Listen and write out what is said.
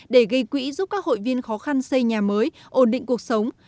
để gây quỹ giúp các hội viên khó khăn xây nhà mới ổn định cuộc sống